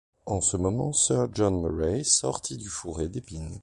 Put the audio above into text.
En ce moment, sir John Murray sortit du fourré d’épines.